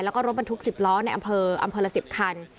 แล้วก็รถบรรทุก๑๐ล้อในอำเภออำเภอละ๑๐คัน